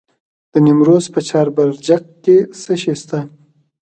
د نیمروز په چاربرجک کې څه شی شته؟